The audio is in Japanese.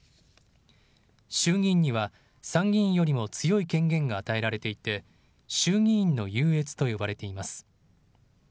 衆議院には、参議院よりも強い権限が与えられていて、衆議院の優越と呼ばれています。